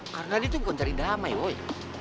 karena dia tuh mau cari damai boy